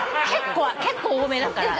結構多めだから。